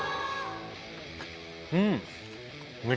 うん！